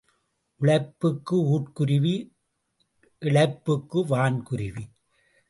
உழைப்புக்கு ஊர்க்குருவி இழைப்புக்கு வான் குருவி.